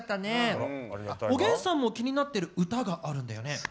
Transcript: おげんさんも気になってる歌があるんだよね。